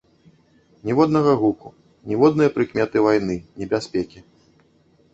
Ніводнага гуку, ніводнае прыкметы вайны, небяспекі.